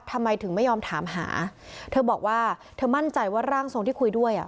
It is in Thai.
ทำไมถึงไม่ยอมถามหาเธอบอกว่าเธอมั่นใจว่าร่างทรงที่คุยด้วยอ่ะ